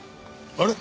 あれ？